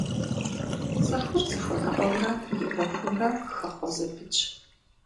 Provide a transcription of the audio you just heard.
ЦӀыхур зыхуэныкъуэмрэ и Ӏуэхумрэ хэхъуэ зэпытщ.